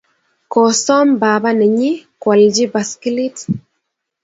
Kosom papa nenyi kwalji poskilit.